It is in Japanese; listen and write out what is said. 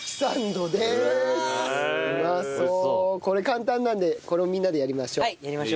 これ簡単なんでこれをみんなでやりましょう。